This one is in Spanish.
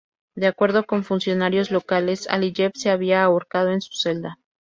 De acuerdo con funcionarios locales, Aliyev se había ahorcado en su celda.